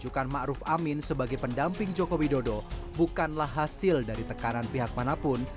penunjukan ma'ruf amin sebagai pendamping jokowi dodo bukanlah hasil dari tekanan pihak manapun